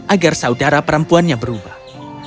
agar saudara perempuannya berubah